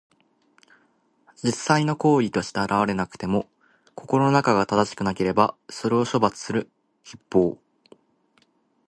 実際の行為として現れなくても、心の中が正しくなければ、それを処罰する筆法。